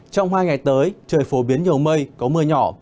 trong hai ngày tới trời phổ biến nhiều mây có mưa nhỏ